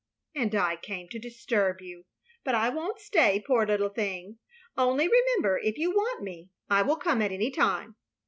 "And I came to disturb you. But I won't stay — ^poor little thing. Only remember, if you want me, I will come at any time.